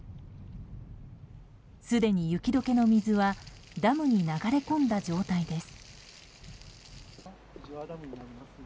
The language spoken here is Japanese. すでに雪解けの水はダムに流れ込んだ状態です。